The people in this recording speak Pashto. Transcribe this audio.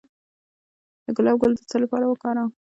د ګلاب ګل د څه لپاره وکاروم؟